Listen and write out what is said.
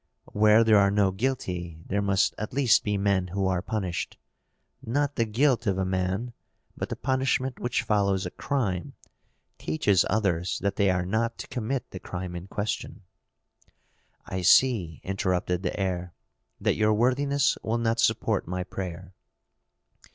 "Where there are no guilty there must at least be men who are punished. Not the guilt of a man, but the punishment which follows a crime, teaches others that they are not to commit the crime in question." "I see," interrupted the heir, "that your worthiness will not support my prayer."